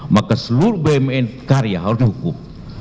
maka seluruh bmi karya harus dihukum